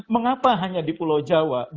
mengapa hanya di pulau jawa